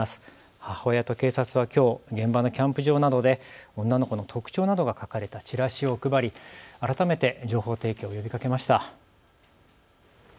母親と警察はきょう、現場のキャンプ場などで女の子の特徴などが書かれたチラシを配り、改めて情報提供を呼びかけました。